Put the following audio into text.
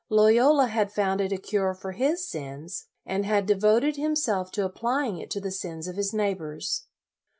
Loyola had found it a cure for his sins, and had devoted himself to applying it to the sins of his neighbors.